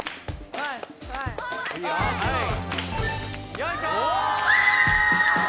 よいしょ！